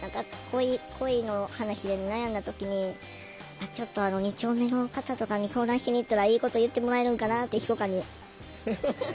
恋の話で悩んだ時にちょっと二丁目の方とかに相談しに行ったらいいこと言ってもらえるんかなってひそかに思ってた。